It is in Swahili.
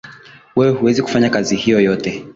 Wewe huwezi kufanya kazi hiyo yote